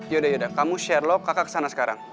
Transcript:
yaudah yaudah kamu sherlock kakak kesana sekarang